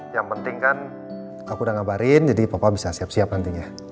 yang penting kan aku udah ngabarin jadi papa bisa siap siap nantinya